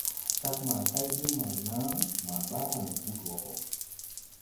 Kag ma kay din maa naa ma baaran hud wo go.